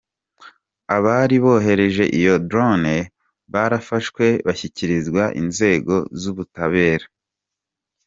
Abari bohereje iyo drone barafashwe bashyikirizwa inzego z’ ubutabera.